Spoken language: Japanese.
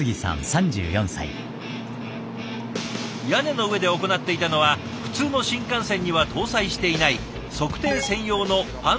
屋根の上で行っていたのは普通の新幹線には搭載していない測定専用のパンタグラフの整備。